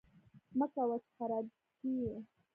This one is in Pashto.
مکوه! چې خراپی یې